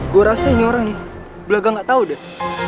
gue rasa ini orangnya belagang gak tau deh